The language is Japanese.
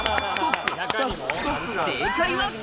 正解は。